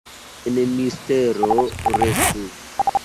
En mistero restu…